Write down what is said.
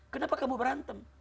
kenapa kamu berantem